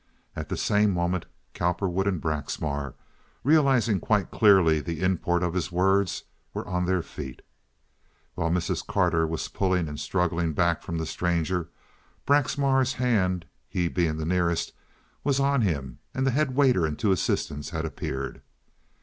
At the same moment Cowperwood and Braxmar, realizing quite clearly the import of his words, were on their feet. While Mrs. Carter was pulling and struggling back from the stranger, Braxmar's hand (he being the nearest) was on him, and the head waiter and two assistants had appeared.